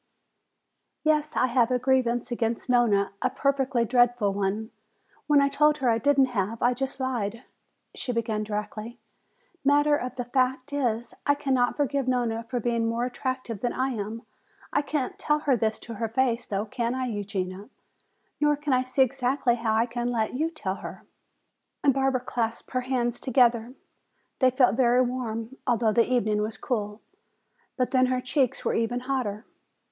"Yes, I have a grievance against Nona, a perfectly dreadful one. When I told her I didn't have, I just lied," she began directly. "Fact of the matter is, I can't forgive Nona for being more attractive than I am. I can't tell her this to her face though, can I, Eugenia? Nor can I see exactly how I can let you tell her." Barbara clasped her hands together. They felt very warm, although the evening was cool. But then her cheeks were even hotter.